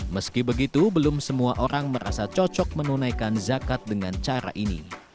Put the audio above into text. meski begitu belum semua orang merasa cocok menunaikan zakat dengan cara ini